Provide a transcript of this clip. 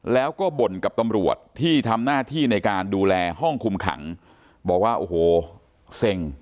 แล้วก็บ่นกับตำรวจที่ทำหน้าที่ในการดูแลห้องคุมขังบอกว่าโอ้โหเซ็ง